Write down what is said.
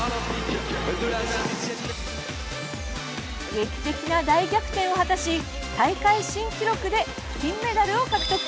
劇的な大逆転を果たし大会新記録で金メダルを獲得。